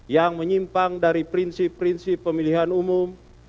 yang menyimpang dari prinsip prinsip pemilihan umum